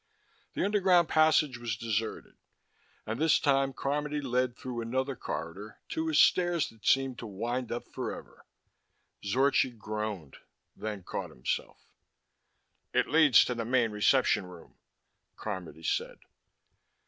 The underground passage was deserted, and this time Carmody led through another corridor, to a stairs that seemed to wind up forever. Zorchi groaned, then caught himself. "It leads to the main reception room," Carmody said.